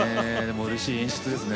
うれしい演出ですね